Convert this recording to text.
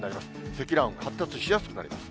積乱雲、発達しやすくなります。